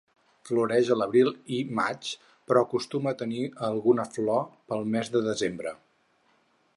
Floreix a l'abril i maig però acostuma a tenir alguna flor pel mes de desembre.